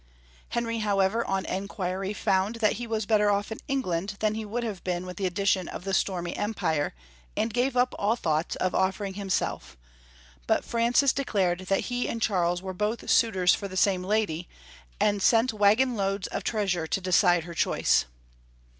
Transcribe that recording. Henry, however, on enquiry, found that he was better off in England than he would have been with the addition of the stormy Empire, and gave up all thoughts of offering himself, but Francis de clared that he and Charles were both suitors for the same lady, and sent wagon loads of treasure to decide her choice.